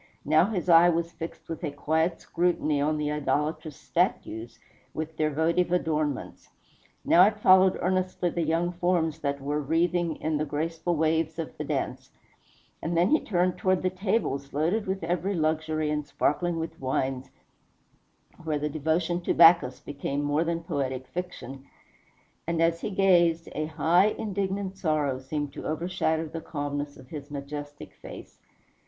Now his eye was fixed with a quiet scrutiny on the idolatrous statues, with their votive adornments now it followed earnestly the young forms that were wreathing in the graceful waves of the dance; and then he turned toward the tables, loaded with every luxury and sparkling with wines, where the devotion to Bacchus became more than poetic fiction; and as he gazed, a high, indignant sorrow seemed to overshadow the calmness of his majestic face.